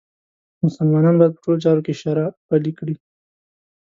مسلمان باید په ټولو چارو کې شرعه پلې کړي.